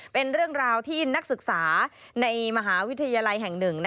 เป็นเรื่องราวที่นักศึกษาในมหาวิทยาลัยแห่งหนึ่ง